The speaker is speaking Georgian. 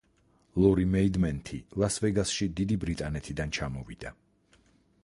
ლორი მეიდმენთი ლას ვეგასში დიდი ბრიტანეთიდან ჩამოვიდა.